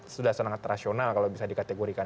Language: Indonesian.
sudah sangat rasional kalau bisa dikategorikan